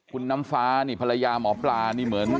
คุณน้ำฟ้านี่ภรรยาหมอปลานี่เหมือน